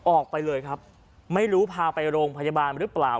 ออกไปเลยครับไม่รู้พาไปโรงพยาบาลหรือเปล่า